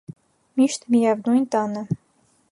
- Միշտ միևնույն տանը: